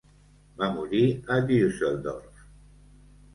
Va morir a Düsseldorf.